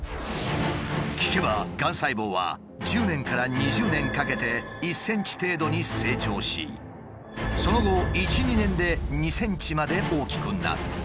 聞けばがん細胞は１０年から２０年かけて１ｃｍ程度に成長しその後１２年で２ｃｍまで大きくなる。